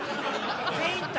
全員いった？